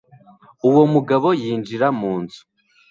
uwo mugabo yinjira mu nzu